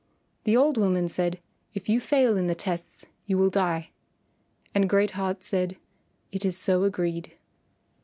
The old woman said, "If you fail in the tests you will die," and Great Heart said, "It is so agreed."